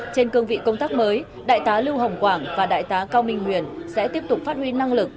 trên cương vị công tác mới đại tá lưu hồng quảng và đại tá cao minh nguyên sẽ tiếp tục phát huy năng lực